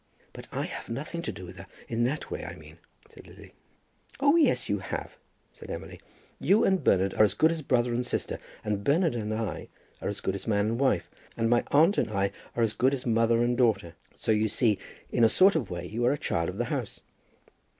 "But I have nothing to do with her, in that way I mean," said Lily. "Oh, yes, you have," said Emily. "You and Bernard are as good as brother and sister, and Bernard and I are as good as man and wife, and my aunt and I are as good as mother and daughter. So you see, in a sort of a way you are a child of the house."